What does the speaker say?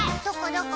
どこ？